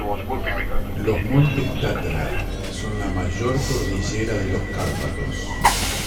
Los montes Tatra, son la mayor cordillera de los Cárpatos.